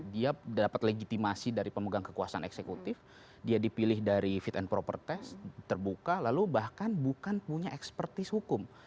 dia dapat legitimasi dari pemegang kekuasaan eksekutif dia dipilih dari fit and proper test terbuka lalu bahkan bukan punya ekspertis hukum